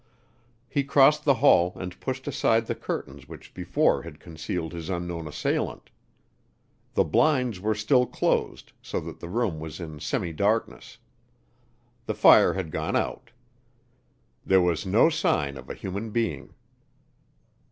He crossed the hall and pushed aside the curtains which before had concealed his unknown assailant. The blinds were still closed, so that the room was in semi darkness. The fire had gone out. There was no sign of a human being.